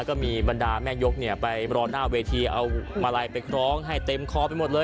ก็มีบรรดาแม่ยกไปรอหน้าเวทีเอามาลัยไปคล้องให้เต็มคอไปหมดเลย